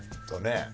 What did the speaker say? そうね。